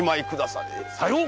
さよう！